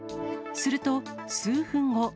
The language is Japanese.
すると、数分後。